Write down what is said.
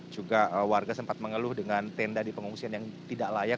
juga warga sempat mengeluh dengan tenda di pengungsian yang tidak layak